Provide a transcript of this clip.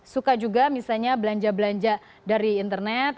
suka juga misalnya belanja belanja dari internet